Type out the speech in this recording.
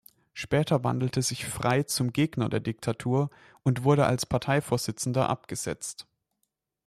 Später wandelte sich Frei zum Gegner der Diktatur und wurde als Parteivorsitzender abgesetzt.